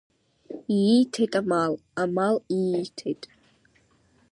Иииҭеит амал, амал иииҭеит.